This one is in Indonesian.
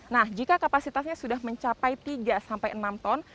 nah jika kapasitasnya sudah mencapai tiga sampai enam ton